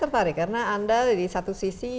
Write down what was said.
tertarik karena anda di satu sisi